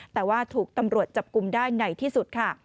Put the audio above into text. แต่ว่าถูกตำรวจจับกลุ่มได้ในที่สุดค่ะ